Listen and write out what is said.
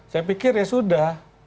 saya pikir ya sudah